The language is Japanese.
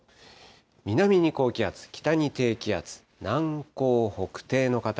南に高気圧、北に低気圧、南高北低の形。